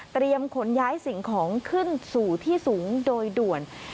ขนย้ายสิ่งของขึ้นสู่ที่สูงโดยด่วน